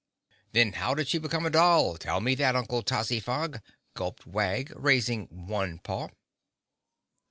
"Then how did she become a doll? Tell me that, Uncle Fozzytog," gulped Wag, raising one paw.